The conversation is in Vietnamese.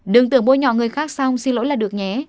đừng tưởng bôi nhỏ người khác xong xin lỗi là được nhé